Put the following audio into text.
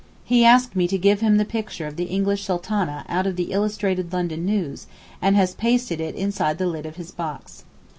He asked me to give him the picture of the English Sultaneh out of the Illustrated London News, and has pasted it inside the lid of his box.